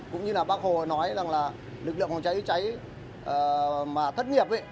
cũng như là bác hồ nói rằng là lực lượng phòng cháy cháy mà thất nghiệp ấy